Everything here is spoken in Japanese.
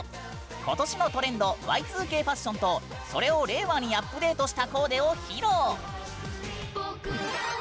今年のトレンドＹ２Ｋファションとそれを令和にアップデートしたコーデを披露。